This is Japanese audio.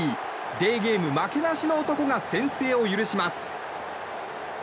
デーゲーム負けなしの男が先制を許します。